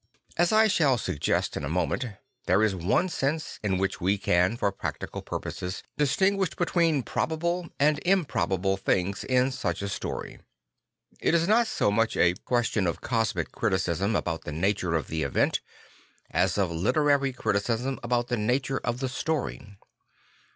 As I shall suggest in a moment, there is one sense in which we can for practical purposes distinguish between probable and improbable things in such a story. It is not so much a 160 St. Francis of Assisi question of cosmic criticism about the nature of the event as of literary criticism about the nature of the story.